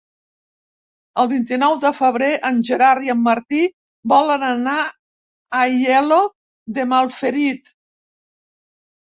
El vint-i-nou de febrer en Gerard i en Martí volen anar a Aielo de Malferit.